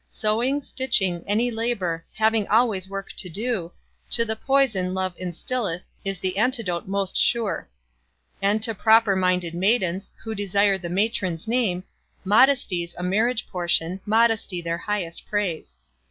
Sewing, stitching, any labour, Having always work to do, To the poison Love instilleth Is the antidote most sure. And to proper minded maidens Who desire the matron's name Modesty's a marriage portion, Modesty their highest praise.